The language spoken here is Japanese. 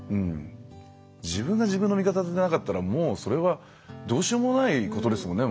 自分が自分の味方でなかったらもう、それはどうしようもないことですもんね。